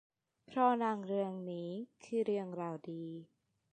เพราะหนังเรื่องนี้คือเรื่องราวดี